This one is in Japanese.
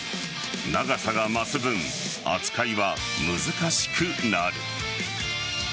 長さが増す分、扱いは難しくなる。